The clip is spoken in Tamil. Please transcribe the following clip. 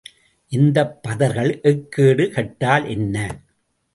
இந்தப் பதர்கள் எக்கேடு கெட்டால் என்ன?